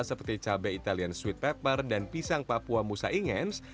seperti cabai italian sweet pepper dan pisang papua musa ingens